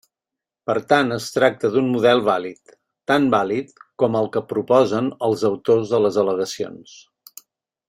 Per tant es tracta d'un model vàlid, tan vàlid com el que proposen els autors de les al·legacions.